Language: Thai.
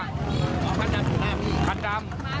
คันดำ